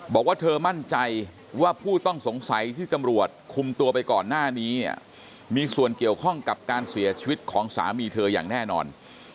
บอกว่าเธอมั่นใจว่าผู้ต้องสงสัยที่ตำรวจคุมตัวไปก่อนหน้านี้เนี่ยมีส่วนเกี่ยวข้องกับการเสียชีวิตของสามีเธออย่างแน่นอน